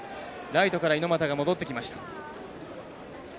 ライトから猪俣が戻ってきました。